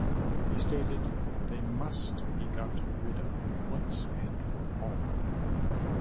He stated: They must be got rid of, once and for all.